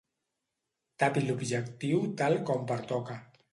Tapi l'objectiu tal com pertoca.